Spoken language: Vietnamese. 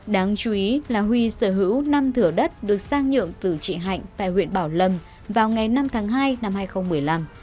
đáng chú ý là huy sở hữu năm thửa đất được sang nhượng từ chị hạnh tại huyện bảo lâm vào ngày năm tháng hai năm hai nghìn một mươi năm